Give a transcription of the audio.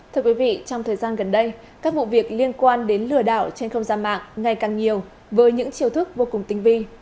thưa quý vị trong thời gian gần đây các vụ việc liên quan đến lừa đảo trên không gian mạng ngày càng nhiều với những chiêu thức vô cùng tinh vi